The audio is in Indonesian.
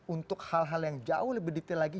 untuk hal hal yang jauh lebih detail lagi